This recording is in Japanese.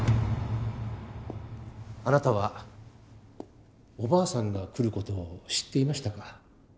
あなたはおばあさんが来る事を知っていましたか？